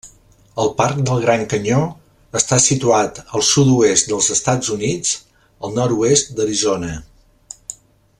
El parc del Gran Canyó està situat al sud-oest dels Estats Units, al nord-oest d'Arizona.